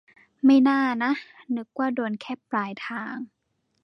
ไม่น่านะ นึกว่าโดนแค่ปลายทาง